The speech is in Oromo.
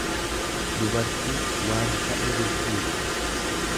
dubartiii waan ta'e rirriittu.